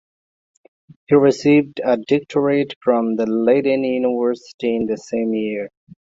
He received a doctorate from the Leiden University in the same year.